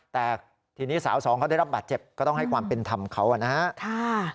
แต่ทีนี้สาวสองเขาได้รับบาดเจ็บก็ต้องให้ความเป็นธรรมเขานะฮะ